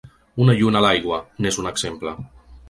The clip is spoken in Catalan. Una lluna a l’aigua, n’és un exemple.